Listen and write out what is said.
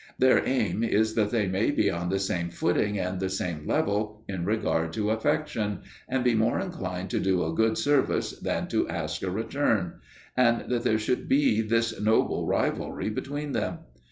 Their aim is that they may be on the same footing and the same level in regard to affection, and be more inclined to do a good service than to ask a return, and that there should be this noble rivalry between them.